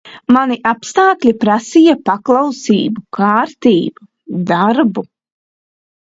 Mani apstākļi prasīja paklausību, kārtību, darbu.